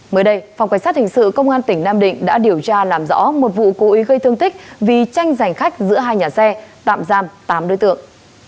mới đây phòng cảnh sát hình sự công an tỉnh nam định đã điều tra làm rõ một vụ cố ý gây thương tích vì tranh giành khách giữa hai nhà xe tạm giam tám đối tượng